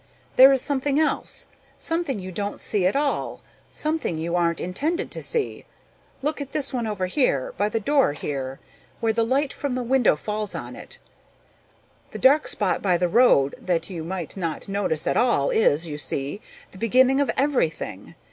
There is something else, something you don't see at all, something you aren't intended to see. Look at this one over here, by the door here, where the light from the window falls on it. The dark spot by the road that you might not notice at all is, you see, the beginning of everything.